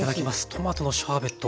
トマトのシャーベット